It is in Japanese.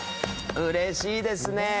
うれしいですね。